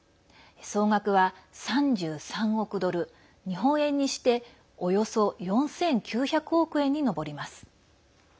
総額は３３億ドル、日本円にしておよそ４９００億円に上ります。